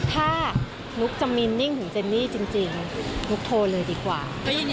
ถ้านุ๊กจะมีนิ่งถึงเจนนี่จริงนุ๊กโทรเลยดีกว่า